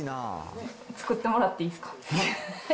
作ってもらっていいですか？